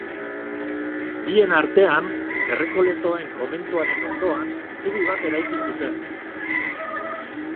Bien artean, errekoletoen komentuaren ondoan, zubi bat eraiki zuten.